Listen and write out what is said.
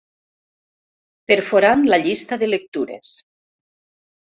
Perforant la llista de lectures.